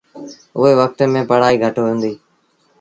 اُئي وکت ميݩ پڙهآئيٚ گھٽ هُݩديٚ۔